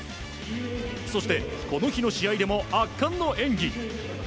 そしてこの日の試合でも圧巻の演技。